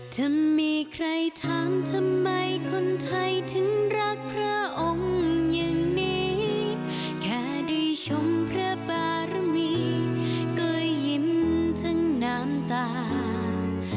จะมีใครถามทำไมคนไทยถึงรักพระองค์อย่างนี้แค่ได้ชมพระบารมีก็ยิ้มทั้งน้ำตาล